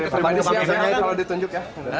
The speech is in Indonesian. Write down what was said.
tapi kan dari pribadi siap ya